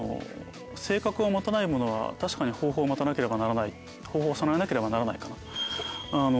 「性格を持たない者は確かに方法を持たなければならない」「方法を備えなければならない」かな？